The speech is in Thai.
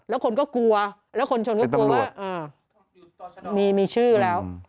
แล้วคนก็กลัวแล้วคนชนก็กลัวว่ามีชื่อแล้ว